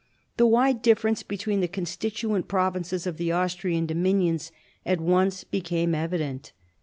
The wide difference between the con stituent provinces of the Austrian dominions at once became evident.